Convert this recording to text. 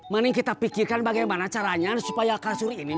mending kita pikirkan bagaimana caranya supaya kasur ini bisa keluar